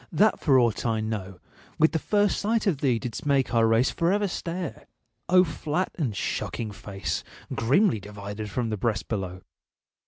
that for aught I know, With the first sight of thee didst make our race For ever stare! O flat and shocking face, Grimly divided from the breast below!